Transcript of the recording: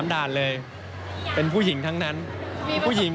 ๓ด่านเลยเป็นผู้หญิงทั้งนั้น